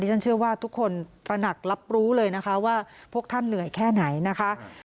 ฉันเชื่อว่าทุกคนตระหนักรับรู้เลยนะคะว่าพวกท่านเหนื่อยแค่ไหนนะคะ